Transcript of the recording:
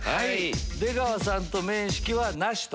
出川さんと面識はなしと。